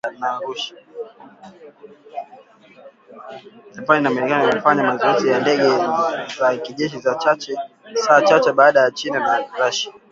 Japan na Marekani wamefanya mazoezi ya ndege za kijeshi saa chache baada ya China na Russia